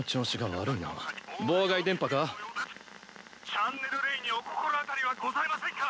チャンネル０にお心当たりはございませんか？